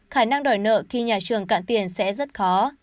khả năng đòi nợ khi nhà trường cạn tiền sẽ rất khó